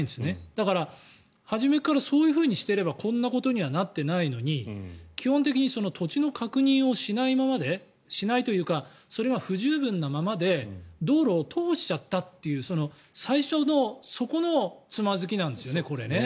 だから、初めからそういうふうにしていればこんなことにはなっていないのに基本的に土地の確認をしないままというかそれが不十分なままで道路を通しちゃったというその最初の、そこのつまずきなんですよね、これ。